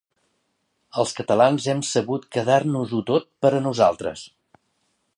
Els catalans hem sabut quedar-nos-ho tot per a nosaltres.